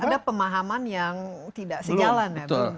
jadi jelas ada pemahaman yang tidak sejalan ya bu